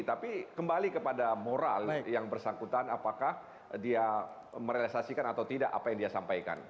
tapi kembali kepada moral yang bersangkutan apakah dia merealisasikan atau tidak apa yang dia sampaikan